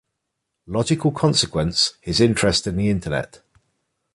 Logical consequence, his interest in the Internet.